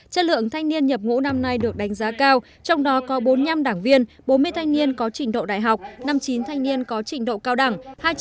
chất lượng thanh niên nhập ngũ năm nay được đánh giá cao trong đó có bốn mươi năm đảng viên bốn mươi thanh niên có trình độ đại học năm mươi chín thanh niên có trình độ cao đẳng